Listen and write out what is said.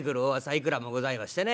いくらもございましてね。